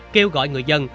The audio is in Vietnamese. kêu gọi người dân